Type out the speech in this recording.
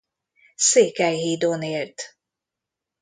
Székelyhídon élt.